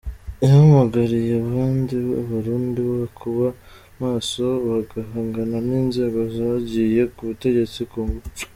Yahamagariye kandi Abarundi kuba maso bagahangana n’inzego zagiye ku butegetsi ku ngufu.